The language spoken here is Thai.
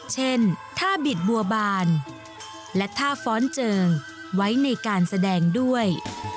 เช่นท่าบิดบัวบานและท่าฟ้อนเจิงไว้ในการแสดงด้วย